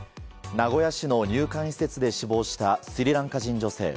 名古屋市の入管施設で死亡したスリランカ人女性。